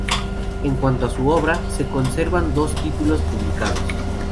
En cuanto a su obra, se conservan dos títulos publicados.